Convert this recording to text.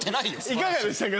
いかがでしたか？